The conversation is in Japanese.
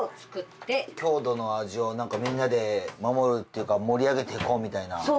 郷土の味をみんなで守るっていうか盛り上げていこうみたいな。